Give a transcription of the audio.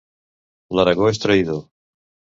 L'Aragó és traïdor.